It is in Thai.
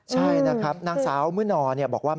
ใช่นะครับนางสาวมื้อนอบอกว่า